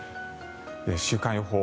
週間予報。